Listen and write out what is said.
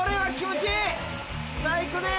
最高です。